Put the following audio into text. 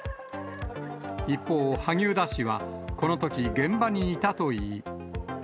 一方、萩生田氏はこのとき、現場にいたといい。